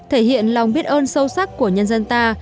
thể hiện lòng biết ơn sâu sắc của nhân dân ta